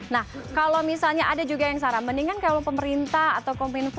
nah kalau misalnya ada juga yang sarah mendingan kalau pemerintah atau kominfo